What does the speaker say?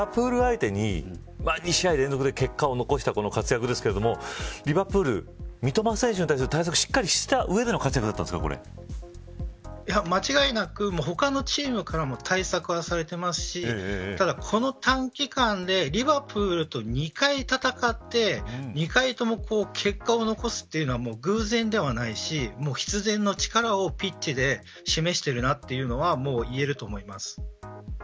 リバプール相手に２試合連続で結果を残したこの活躍ですけどリバプール、三笘選手に対しての対策をした上での間違いなく他のチームからも対策はされていますしただ、この短期間でリバプールと２回戦って２回とも結果を残すというのは偶然ではないし必然の力をピッチで示しているというのはいえると思います。